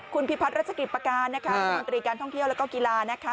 คุณพิพัฒนรัชกิจประการนะคะรัฐมนตรีการท่องเที่ยวแล้วก็กีฬานะคะ